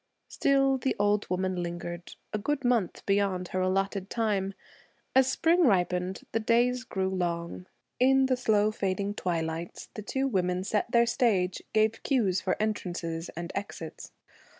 Still the old woman lingered, a good month beyond her allotted time. As spring ripened, the days grew long. In the slow fading twilights, the two women set their stage, gave cues for entrances and exits.